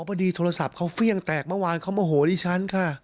พอดีโทรศัพท์เขาเฟี่ยงแตกเมื่อวานเขาโมโหดิฉันค่ะ